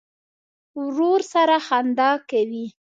ورور سره خندا کوې.